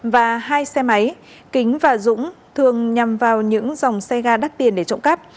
và hai xe máy kính và dũng thường nhằm vào những dòng xe ga đắt tiền để trộm cắp